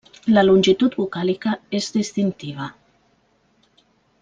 La longitud vocàlica és distintiva.